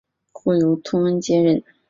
后由通恩接任。